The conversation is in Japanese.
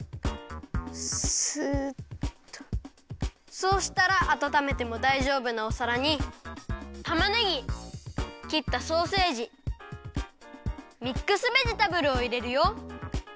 そうしたらあたためてもだいじょうぶなおさらにたまねぎきったソーセージミックスベジタブルをいれるよ。